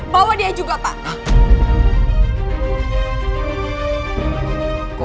bawa dia juga pak